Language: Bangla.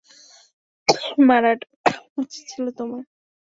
মারাটা উচিত ছিল তোমার!